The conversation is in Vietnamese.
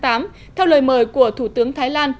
theo lời mời của thủ tướng thái lan